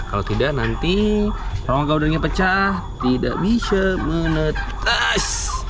kalau tidak nanti rongga udaranya pecah tidak bisa menetas